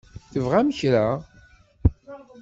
Tebɣam kra?